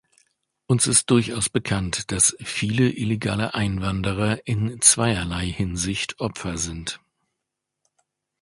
Uns ist durchaus bekannt, dass viele illegale Einwanderer in zweierlei Hinsicht Opfer sind.